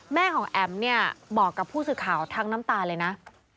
แม่ของแอ๋มเนี่ยบอกกับผู้สื่อข่าวทั้งน้ำตาเลยนะ